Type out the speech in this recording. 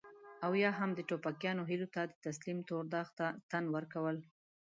او يا هم د ټوپکيانو هيلو ته د تسليم تور داغ ته تن ورکول.